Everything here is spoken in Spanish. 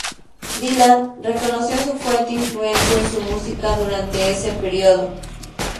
Dylan reconoció su fuerte influencia en su música durante ese periodo.